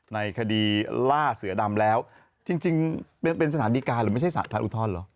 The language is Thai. ในคดีล่าเสือดำแล้วจริงเป็นสถานดีการหรือไม่ใช่สารอุทธรณ์เหรอ